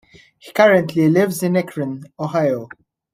He currently lives in Akron, Ohio.